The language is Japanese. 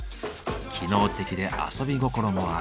機能的で遊び心もある。